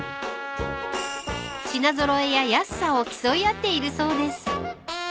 ［品揃えや安さを競い合っているそうです］